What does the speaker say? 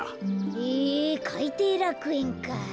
へえかいていらくえんか。